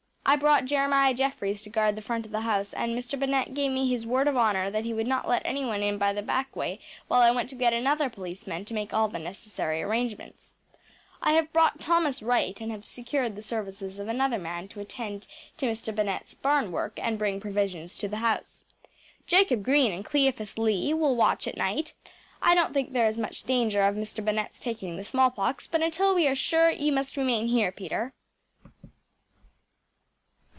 I brought Jeremiah Jeffries to guard the front of the house and Mr. Bennett gave me his word of honour that he would not let anyone in by the back way while I went to get another policeman and make all the necessary arrangements. I have brought Thomas Wright and have secured the services of another man to attend to Mr. Bennett’s barn work and bring provisions to the house. Jacob Green and Cleophas Lee will watch at night. I don’t think there is much danger of Mr. Bennett’s taking the smallpox, but until we are sure you must remain here, Peter.